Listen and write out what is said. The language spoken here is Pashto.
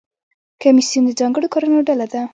کمیسیون د ځانګړو کارونو ډله ده